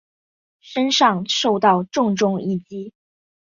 身上受到重重一击